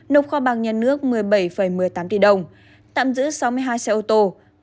nộp kho bạc nhà nước một mươi bảy một mươi tám tỷ đồng tạm giữ sáu mươi hai xe ô tô